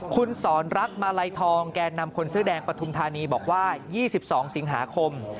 คุณสอนรักมาลัยทองแก่นำคนเสื้อแดงปฐุมธานีบอกว่า๒๒สิงหาคม